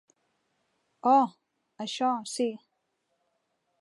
Oh, això, sí.